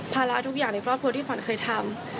ระทุกอย่างในครอบครัวที่ขวัญเคยทำ